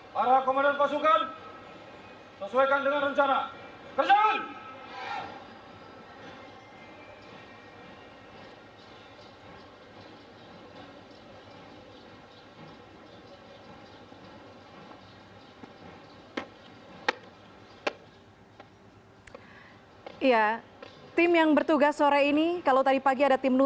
para komandan pasukan sesuaikan dengan rencana kerjaan